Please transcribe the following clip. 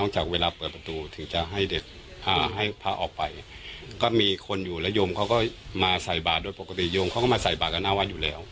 จากเวลาเปิดประตูถึงจะให้เด็กให้พระออกไปก็มีคนอยู่แล้วโยมเขาก็มาใส่บาทโดยปกติโยมเขาก็มาใส่บาทกับหน้าวัดอยู่แล้ว